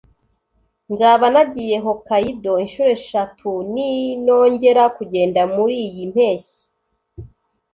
Nzaba nagiye Hokkaido inshuro eshatu ninongera kugenda muriyi mpeshyi.